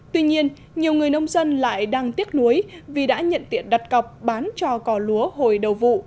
tuy nhiên nhiều người nông dân lại đang tiếc nuối vì đã nhận tiện đặt cọc bán cho cò lúa hồi đầu vụ